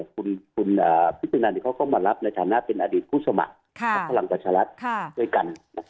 คุณพิสุนันเขาก็มารับในฐานะเป็นอดีตผู้สมัครพักพลังประชารัฐด้วยกัน